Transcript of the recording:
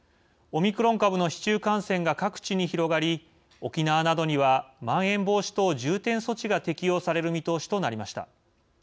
オミクロン株の市中感染が各地に広がり、沖縄などにはまん延防止等重点措置が適用される見通しとなりました。